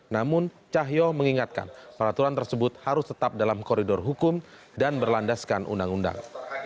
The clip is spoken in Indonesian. namun cahyo mengingatkan peraturan tersebut harus tetap dalam koridor hukum dan berlandaskan undang undang